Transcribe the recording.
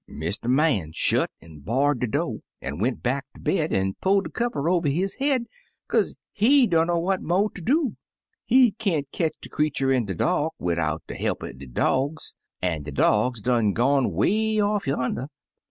* "Mr. Man shut an' barr'd de do', an' went back ter bed an' pull de kiwer over his head, kaze he dunner what mo' ter do. He can't ketch de creetur in de dark, widout de he'p er de dogs, an' de dogs done gone 'way off yander.